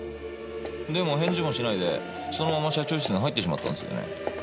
でも返事もしないでそのまま社長室に入ってしまったんですよね。